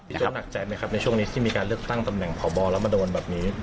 โจ๊คหนักใจไหมครับในช่วงนี้ที่มีการเลือกตั้งตำแหน่งพบแล้วมาโดนแบบนี้